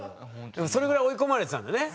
でもそれぐらい追い込まれてたんだよね